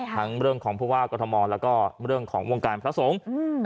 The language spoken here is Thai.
ทั้งเรื่องของภูมิว่ากรธมรณ์แล้วก็เรื่องของวงการพระสงฆ์